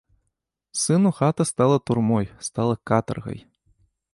Сыну хата стала турмой, стала катаргай.